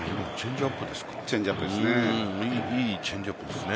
チェンジアップですか？